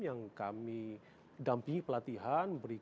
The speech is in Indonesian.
yang kami dampingi pelatihan